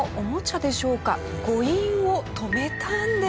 誤飲を止めたんです。